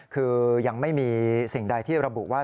คือยังไม่มีสิ่งใดที่ระบุว่า